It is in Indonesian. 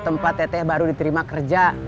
tempat teteh baru diterima kerja